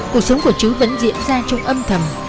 cuộc sống của chứ vẫn diễn ra trong âm thầm